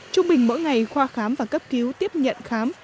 chúng mình mỗi ngày khoa khám và cấp cứu tiếp nhận khám